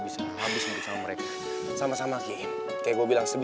bagaimana itu saya sih seperti ini